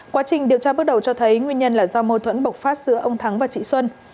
quá trình điều tra bước đầu cho thấy nguyên nhân là do mâu thuẫn bộc phát giữa ông thắng và chị xuân